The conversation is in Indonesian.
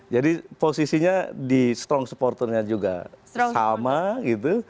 posisinya di strong supporternya juga sama gitu